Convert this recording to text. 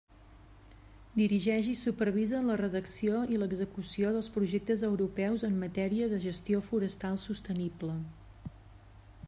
Dirigeix i supervisa la redacció i l'execució dels projectes europeus en matèria de gestió forestal sostenible.